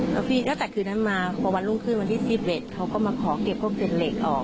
แล้วพี่ตั้งแต่คืนนั้นมาพอวันรุ่งขึ้นวันที่๑๑เขาก็มาขอเก็บพวกเศษเหล็กออก